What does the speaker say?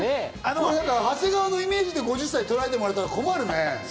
長谷川のイメージで５０歳をとらえてもらったら困るね。